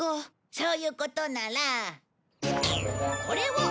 そういうことならこれを。